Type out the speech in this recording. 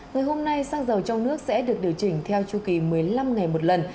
ngày hôm nay xăng dầu trong nước sẽ được điều chỉnh theo chu kỳ một mươi năm ngày một lần